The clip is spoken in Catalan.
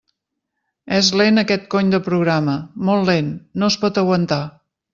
És lent aquest cony de programa, molt lent, no es pot aguantar!